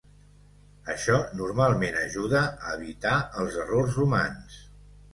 Això normalment ajuda a evitar els errors humans.